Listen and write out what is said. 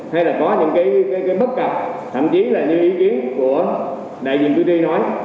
hay là có những cái bất cập thậm chí là như ý kiến của đại diện cử tri nói